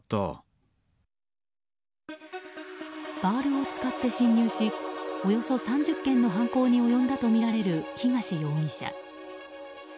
バールを使って侵入しおよそ３０件の犯行に及んだとみられる東容疑者。